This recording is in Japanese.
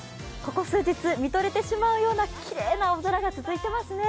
ここ数日、見とれてしまうようなきれいな青空が続いていますね。